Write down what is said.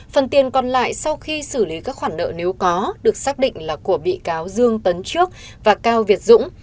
phần tiền còn lại sau khi xử lý các khoản nợ nếu có được xác định là của bị cáo dương tấn trước và cao việt dũng